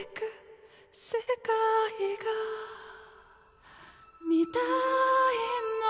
世界が見たいの